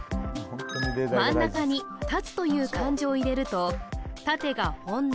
真ん中に「立」という漢字を入れると縦が「本音」